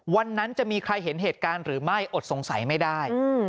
วันนั้นจะมีใครเห็นเหตุการณ์หรือไม่อดสงสัยไม่ได้